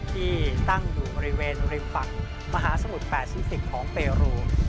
ที่ตั้งอยู่บริเวณริมฝั่งมหาสมุทรแปซิฟิกของเปรู